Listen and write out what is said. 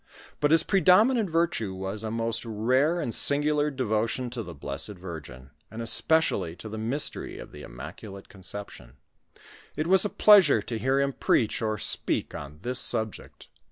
But his predominant virtue waL a most rare and singular devotion to the Blessed Virgin, and especially to the mystery of the Immaculate Conception ; it was a pleasure to hear him preach or speak on this subject.